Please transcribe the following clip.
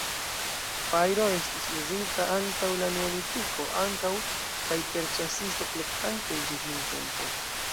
Fajro estis uzita antaŭ la Neolitiko ankaŭ, kaj per ĉasisto-kolektantoj ĝis nuntempo.